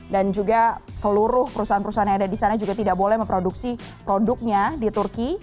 dan juga seluruh perusahaan perusahaan yang ada di sana juga tidak boleh memproduksi produknya di turki